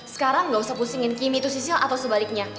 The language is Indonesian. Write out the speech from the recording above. sekarang nggak usah pusingin kimi itu sisil atau sebaliknya